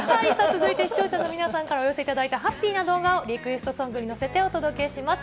続いて視聴者の皆さんからお寄せいただいたハッピーな動画をリクエストソングに乗せてお届けします。